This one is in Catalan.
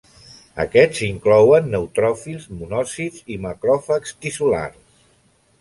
Aquests inclouen neutròfils, monòcits i macròfags tissulars.